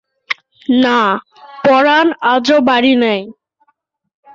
না, পরান আজও বাড়ি নাই।